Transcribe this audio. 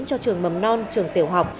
cho trường mầm non trường tiểu học